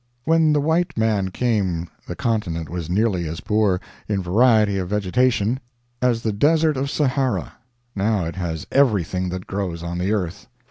] When the white man came the continent was nearly as poor, in variety of vegetation, as the desert of Sahara; now it has everything that grows on the earth.